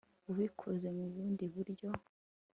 ubikoze mu bundi buryo